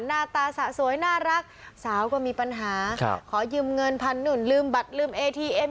หน้าตาสะสวยน่ารักสาวก็มีปัญหาขอยืมเงินพันหนุ่นลืมบัตรลืมเอทีเอ็ม